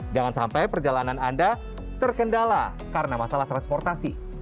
jangan sampai perjalanan anda terkendala karena masalah transportasi